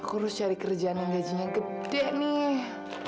aku harus cari kerjaan yang gajinya gede nih